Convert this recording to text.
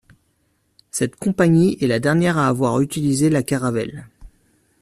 Cette compagnie est la dernière à avoir utilisé la Caravelle.